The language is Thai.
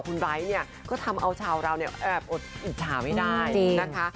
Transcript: คุณไบร์ทเนี่ยก็ทำเอาชาวเราเนี่ยแอบอดอิจฉาไม่ได้นะคะ